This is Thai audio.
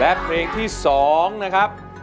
และเพลงที่๒นะครับ